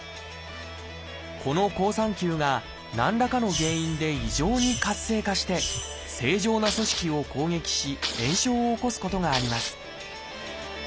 この好酸球が何らかの原因で異常に活性化して正常な組織を攻撃し炎症を起こすことがあります